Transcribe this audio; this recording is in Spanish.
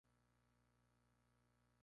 Está situada en San Vicente de Castellet.